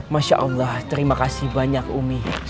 masya allah terima kasih banyak umi